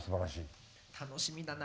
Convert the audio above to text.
楽しみだな。